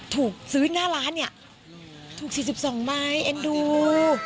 ถูกซื้อหน้าร้านเนี่ยถูก๔๒ใบเอ็นดู